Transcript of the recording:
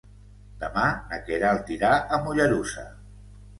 Demà na Queralt irà a Mollerussa.